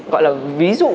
gọi là ví dụ